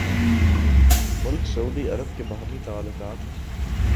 ملک سعودی عرب کے باہمی تعلقات